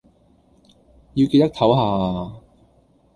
要記得抖下呀